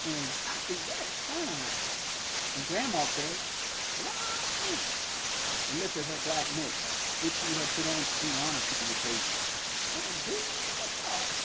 and, "I think that is fine!" And Grandma said, "La me!" and lifted her black mitts, which she had put on to do honor to the occasion, "and who would have thought it!"